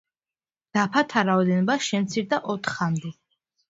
დაფათა რაოდენობა შემცირდა ოთხამდე.